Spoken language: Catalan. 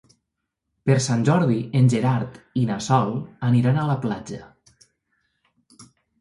Per Sant Jordi en Gerard i na Sol aniran a la platja.